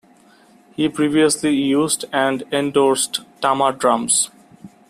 He previously used and endorsed Tama Drums.